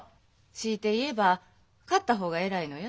強いて言えば勝った方が偉いのや。